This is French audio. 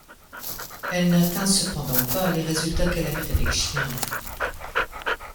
Elle n'atteint cependant pas les résultats qu'elle avait avec Schmirler.